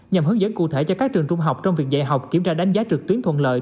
nhằm hướng dẫn cụ thể cho các trường trung học trong việc dạy học kiểm tra đánh giá trực tuyến thuận lợi